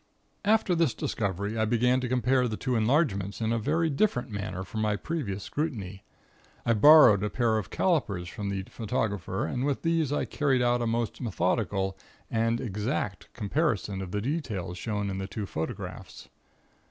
"After this discovery I began to compare the two enlargements in a very different manner from my previous scrutiny. I borrowed a pair of calipers from the photographer and with these I carried out a most methodical and exact comparison of the details shown in the two photographs.